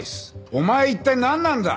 お前一体なんなんだ？